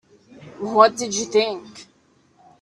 What did you think?